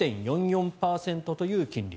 １．４４％という金利。